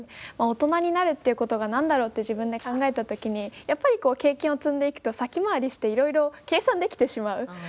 大人になるっていうことが何だろうって自分で考えた時にやっぱりこう経験を積んでいくと先回りしていろいろ計算できてしまう。